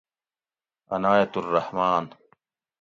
عنایت الرحمن